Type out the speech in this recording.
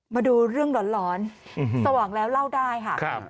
มาดูเรื่องหลอนสว่างแล้วเล่าได้ค่ะ